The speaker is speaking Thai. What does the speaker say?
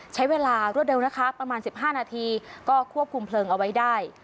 ใช้เวลารวดเร็วนะคะประมาณ๑๕นาทีก็ควบคุมเพลิงเอาไว้ได้